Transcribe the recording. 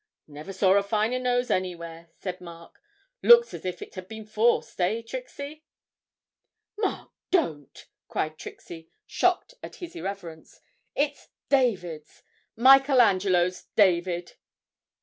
'Never saw a finer nose anywhere,' said Mark 'looks as if it had been forced, eh, Trixie?' 'Mark, don't!' cried Trixie, shocked at this irreverence; 'it's David's Michael Angelo's David!'